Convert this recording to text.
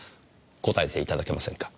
答えていただけませんか？